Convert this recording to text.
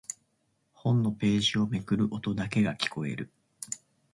本のページをめくる音だけが聞こえる。